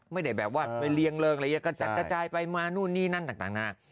ไม่ได้แบบว่าไปเรียงเริงอะไรอย่างนี้กระจัดกระจายไปมานู่นนี่นั่นต่างนา